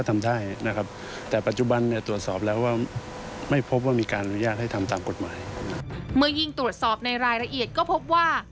เมื่อยิ่งตรวจสอบในรายละเอียดก็พบว่า